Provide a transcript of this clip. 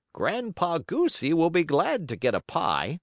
"Grandpa Goosey will be glad to get a pie.